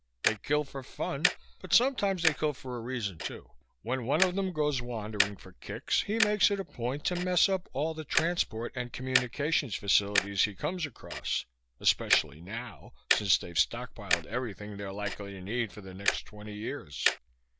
They kill for fun, but sometimes they kill for a reason too. When one of them goes wandering for kicks he makes it a point to mess up all the transport and communications facilities he comes across especially now, since they've stockpiled everything they're likely to need for the next twenty years.